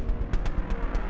terima kasih ya